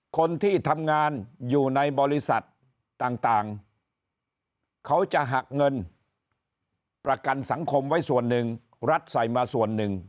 คนที่ทำงานอยู่ในบริษัทต่างเขาจะหักเงินประกันสังคมไว้ส่วนหนึ่งรัฐใส่มาส่วนหนึ่ง